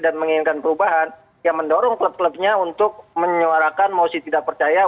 dan menginginkan perubahan ya mendorong klub klubnya untuk menyuarakan mausid tidak percaya